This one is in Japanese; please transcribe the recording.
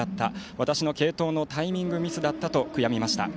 私の継投のタイミングミスだったと悔やみました。